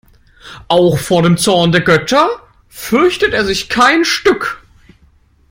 Auch vor dem Zorn der Götter fürchtet er sich kein Stück.